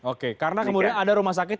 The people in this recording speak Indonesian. oke karena kemudian ada rumah sakit